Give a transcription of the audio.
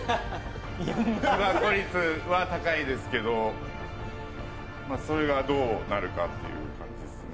木箱率は高いですけど、それがどうなるかっていう感じですね。